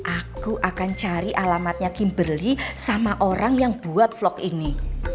aku akan cari alamatnya kimberly sama orang yang buat vlog ini